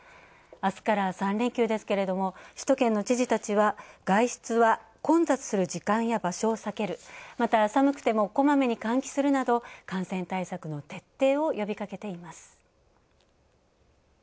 あすから３連休ですけれども、首都圏の知事たちは外出は混雑する時間や場所を避ける、また、寒くてもこまめに換気するなど感染対策の徹底を呼びかけています。